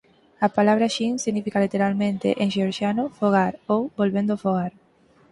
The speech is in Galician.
A palabra "Shin" significa literalmente en xeorxiano "fogar" ou "volvendo ao fogar".